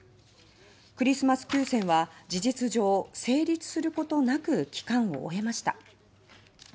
「クリスマス休戦」は事実上を成立することなく期間を終えました。